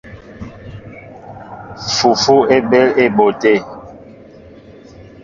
Fufu é ɓéél á éɓóʼ te.